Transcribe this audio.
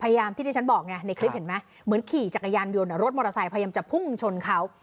ยามที่ที่ฉันบอกไงในคลิปเห็นไหมเหมือนขี่จักรยานยนต์รถมอเตอร์ไซค์พยายามจะพุ่งชนเขา